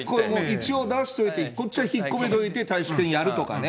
一応出しておいて、こっちは引っ込めといて、退職金やるとかね。